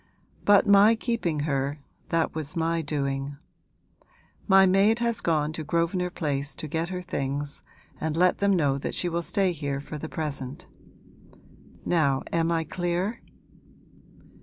But my keeping her that was my doing. My maid has gone to Grosvenor Place to get her things and let them know that she will stay here for the present. Now am I clear?'